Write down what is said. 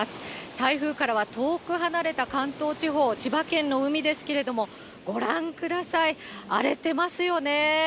台風からは遠く離れた関東地方、千葉県の海ですけれども、ご覧ください、荒れてますよね。